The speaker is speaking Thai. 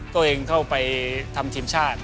ตัวเองเข้าไปทำทีมชาติ